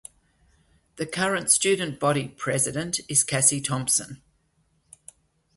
The current Student Body President is Cassy Thompson.